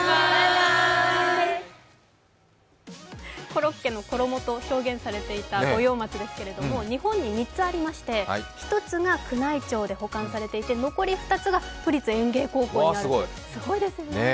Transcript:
コロッケの衣と表現されていた五葉松ですけれども日本に３つありまして、１つが宮内庁で保管されていて残り２つが都立園芸高校にあるんだそうです、すごいですね。